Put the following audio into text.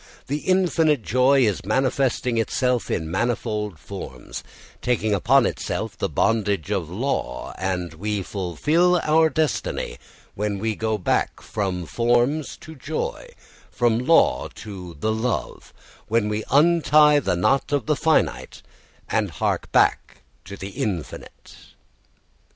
The infinite joy is manifesting itself in manifold forms, taking upon itself the bondage of law, and we fulfil our destiny when we go back from forms to joy, from law to the love, when we untie the knot of the finite and hark back to the infinite.